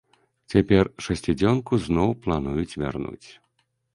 Цяпер шасцідзёнку зноў плануюць вярнуць.